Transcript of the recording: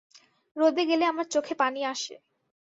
রোদে গেলে আমার চোখে পানি আসে।